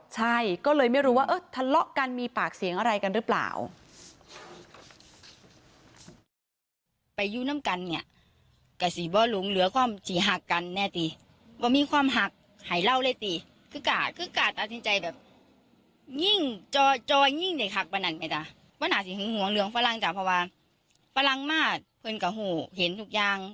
ใช่ก็เลยไม่รู้ว่าทะเลาะกันมีปากเสียงอะไรกันหรือเปล่า